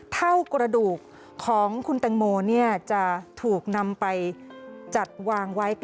เท่ากระดูกของคุณแตงโมจะถูกนำไปจัดวางไว้